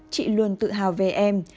chị luôn tự hào về em